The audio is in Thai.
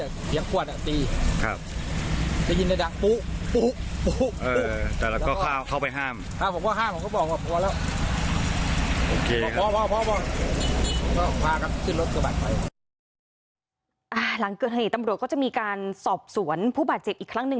หลังเกิดเหตุตำรวจก็จะมีการสอบสวนผู้บาดเจ็บอีกครั้งหนึ่ง